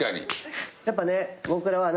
やっぱね僕らは。